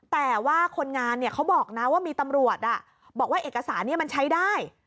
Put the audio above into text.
แต่ว่าคนงานเขาบอกนะว่ามีตำรวจบอกว่าเอกสารนี้มันใช้ได้